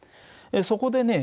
そこでね